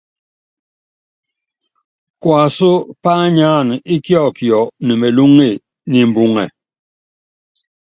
Kuasú pányánana íkiɔkiɔ ne melúŋe niimbuŋɛ.